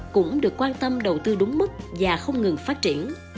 cũng được quan tâm đầu tư đúng mức và không ngừng phát triển